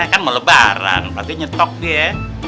kan mau lebaran berarti nyetok dia